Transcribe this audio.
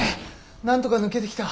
なんとか抜けてきた。